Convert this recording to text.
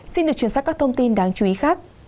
xin được truyền sát các thông tin đáng chú ý khác